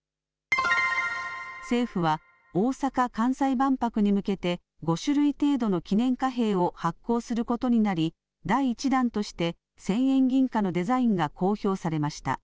政府は大阪・関西万博に向けて５種類程度の記念貨幣を発行することになり第１弾として１０００円銀貨のデザインが公表されました。